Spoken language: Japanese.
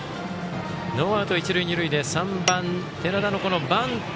ノーアウト、一塁二塁で３番、寺田のバント。